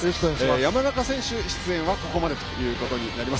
山中選手、出演はここまでということになります。